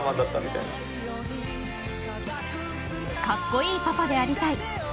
格好いいパパでありたい。